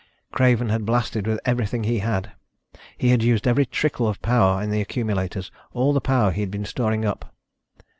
Craven had blasted with everything he had! He had used every last trickle of power in the accumulators ... all the power he had been storing up.